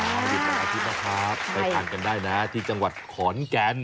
หยุดวันอาทิตย์นะครับไปทานกันได้นะที่จังหวัดขอนแก่น